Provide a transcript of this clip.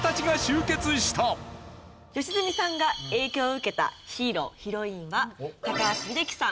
良純さんが影響を受けたヒーロー＆ヒロインは高橋英樹さん。